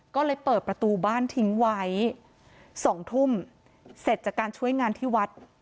ก็เลยเปิดประตูบ้านทิ้งไว้๒ทุ่มเสร็จจากการช่วยงานที่วัด